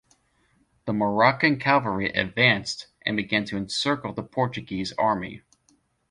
The Moroccan cavalry advanced and began to encircle the Portuguese army.